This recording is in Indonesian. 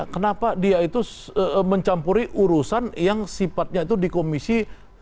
kenapa dia itu mencampuri urusan yang sifatnya itu di komisi tiga